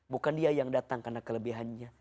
bukan dia yang datang karena kelebihannya